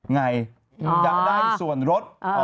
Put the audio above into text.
อย่าได้ส่วนลด